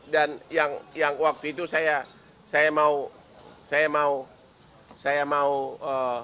dan yang yang waktu itu saya saya mau saya mau saya mau ee